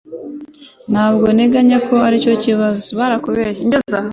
Ntabwo nteganya ko aricyo kibazo.